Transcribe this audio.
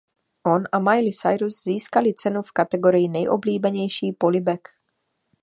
On a Miley Cyrus získali cenu v kategorii "Nejoblíbenější polibek".